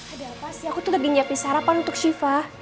ada apa sih aku tuh lebih nyiapin sarapan untuk shiva